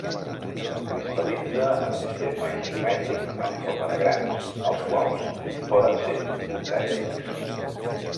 Cristal·litza en el sistema isomètric en forma de grans, els quals poden ser octaèdrics.